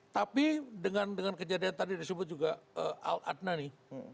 tapi dengan kejadian tadi disebut juga al adnani